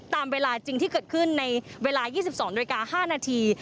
ตามเวลาจริงที่เกิดขึ้นในเวลา๒๒นาฬิกา๕นาที